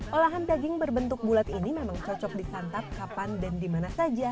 olahan daging berbentuk bulat ini memang cocok disantap kapan dan dimana saja